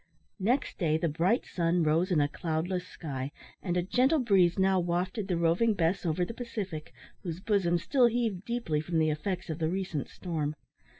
Next day the bright sun rose in a cloudless sky, and a gentle breeze now wafted the Roving Bess over the Pacific, whose bosom still heaved deeply from the effects of the recent storm.